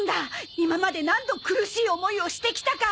今まで何度苦しい思いをしてきたか！